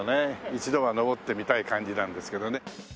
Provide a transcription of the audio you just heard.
一度は登ってみたい感じなんですけどね。